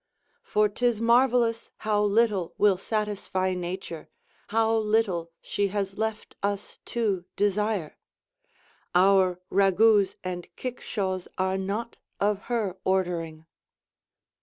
For 'tis marvellous how little will satisfy nature, how little she has left us to desire; our ragouts and kickshaws are not of her ordering.